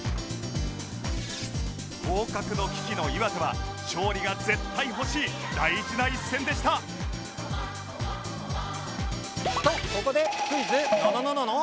降格の危機の岩手は勝利が絶対欲しい大事な一戦でしたとここでクイズ。